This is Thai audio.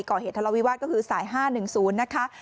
ก่อเหตุทะเลาวิวาศฝ์ก็คือสาย๕๑๐นะคะ